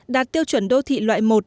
đạt tiêu chuẩn đô thị loại một